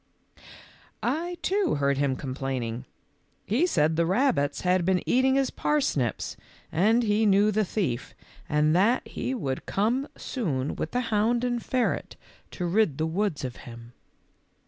"I, too, heard him complaining. He said the rabbits had been eating his parsnips, and he knew the thief, and that he would come 134 THE LITTLE FORESTERS. soon with the hound and ferret to rid the woods of him."